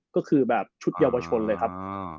ก็คือแบบชุดเยาวชนเลยครับ